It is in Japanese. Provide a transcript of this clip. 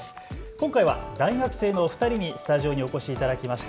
今回は大学生のお二人にスタジオにお越しいただきました。